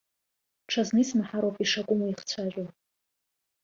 Ҽазны исмаҳароуп ишакәым уихцәажәо!